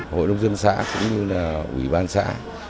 hội nông dân xã cũng như là ủy ban xã